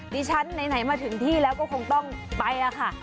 ดิฉันไหนมาถึงที่แล้วก็คงต้องไปค่ะ